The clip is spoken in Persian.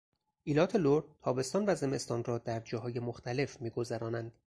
ایلات لر تابستان و زمستان را در جاهای مختلف میگذرانند.